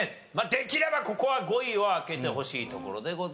できればここは５位を開けてほしいところでございます。